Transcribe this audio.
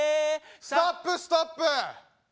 ストップストップ。